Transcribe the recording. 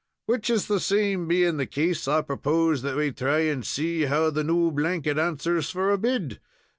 "Which the same thing being the case, I propose that we thry and see how the new blanket answers for a bed.